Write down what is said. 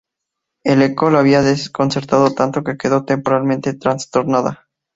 El eco la había desconcertado tanto que quedó temporalmente trastornada.